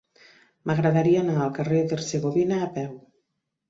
M'agradaria anar al carrer d'Hercegovina a peu.